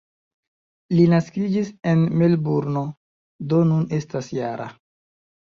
Li naskiĝis en Melburno, do nun estas -jara.